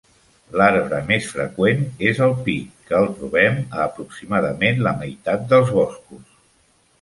L'arbre més freqüent és el pi, que el trobem a aproximadament la meitat dels boscos.